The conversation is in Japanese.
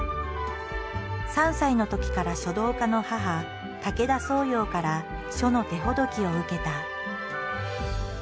３歳のときから書道家の母・武田双葉から書の手ほどきを受けた。